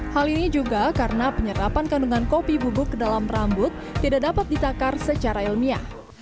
hal ini juga karena penyerapan kandungan kopi bubuk ke dalam rambut tidak dapat ditakar secara ilmiah